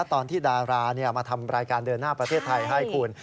ตอนที่ดารามาทำรายการเดินหน้าประเทศไทยให้คุณ